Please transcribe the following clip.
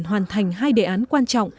hoàn thành hai đề án quan trọng